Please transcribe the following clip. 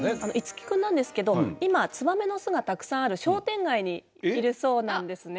樹くんなんですけど今ツバメの巣がたくさんある商店街にいるそうなんですね。